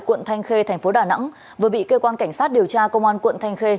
quận thanh khê tp đà nẵng vừa bị cơ quan cảnh sát điều tra công an quận thanh khê